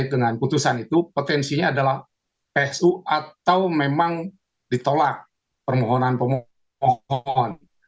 dengan putusan itu potensinya adalah psu atau memang ditolak permohonan pemohon